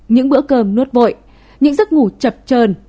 những bữa cơm nuốt vội những giấc ngủ chập trơn